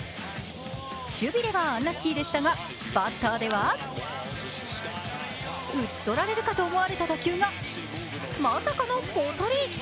守備ではアンラッキーでしたが、バッターでは、打ち取られるかと思われた打球が、まさかのポトリ。